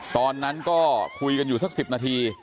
ตอนนั้นก็คุยกันอยู่สัก๑๐นาที